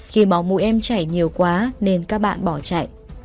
khi máu mũi em chảy nhiều quá nên các bạn bỏ chạy